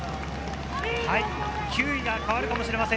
９位が変わるかもしれません。